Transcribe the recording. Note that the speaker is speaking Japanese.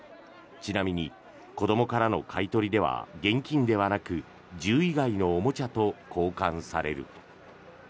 ちなみに子どもからの買い取りでは現金ではなく銃以外のおもちゃと交換される。